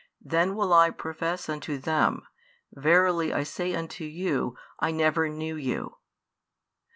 Then will I profess unto them, Verily, I say unto you, I never knew you.